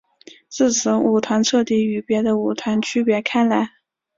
自此舞团彻底与别的舞团区别开来。